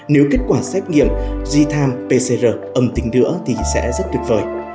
nếu kết quả xét nghiệm g time pcr âm tính nữa thì sẽ rất tuyệt vời